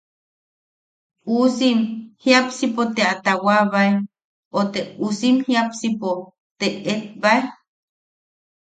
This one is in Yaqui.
Uusim jiapsipo te a taawabae o te uusim jiapsipo te eetbae.